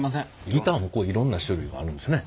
ギターもいろんな種類あるんですね。